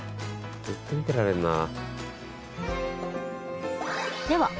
ずっと見てられるな。